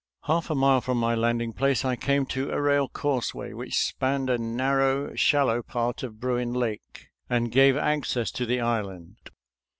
»•• Half a mile from my landing place I came to a rail causeway which spanned a narrow, shal low part of Bruin Lake, and gave access to the island.